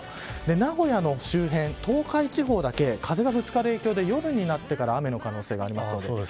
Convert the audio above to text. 名古屋の周辺、東海地方だけ風がぶつかる影響で夜になってから雨の可能性があります。